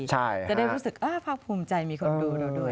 จะได้รู้สึกภาคภูมิใจมีคนดูเราด้วย